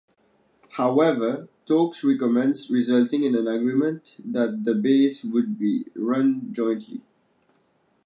However, talks recommenced resulting in an agreement that the base would be run jointly.